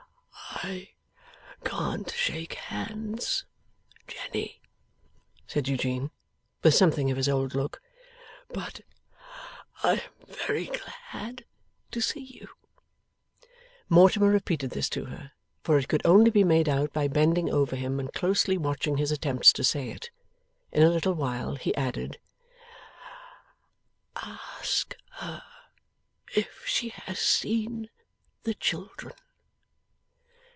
'I can't shake hands, Jenny,' said Eugene, with something of his old look; 'but I am very glad to see you.' Mortimer repeated this to her, for it could only be made out by bending over him and closely watching his attempts to say it. In a little while, he added: 'Ask her if she has seen the children.